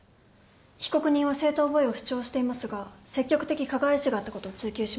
被告人は正当防衛を主張していますが積極的加害意思があったことを追及します。